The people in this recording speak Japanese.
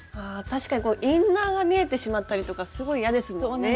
確かにインナーが見えてしまったりとかすごい嫌ですもんね。